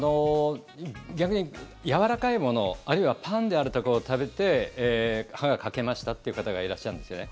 逆にやわらかいものあるいはパンであるとかを食べて歯が欠けましたっていう方がいらっしゃるんですよね。